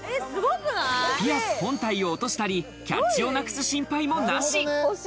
ピアス本体を落としたりキャッチをなくす心配もなし。